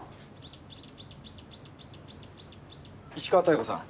石川妙子さん